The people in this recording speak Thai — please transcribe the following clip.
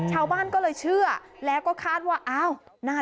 ชาวบ้านก็เลยเชื่อแล้วก็คาดว่าอ้าวนะคะ